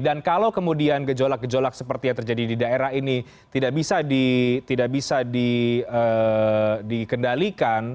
dan kalau kemudian gejolak gejolak seperti yang terjadi di daerah ini tidak bisa dikendalikan